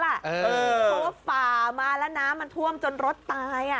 เพราะว่าฝ่ามาแล้วน้ำมันท่วมจนรถตาย